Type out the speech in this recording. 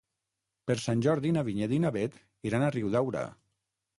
Per Sant Jordi na Vinyet i na Bet iran a Riudaura.